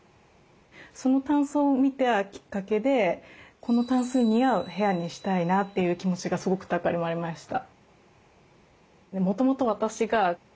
そのタンスを見たきっかけでこのタンスに似合う部屋にしたいなという気持ちがすごく高まりました。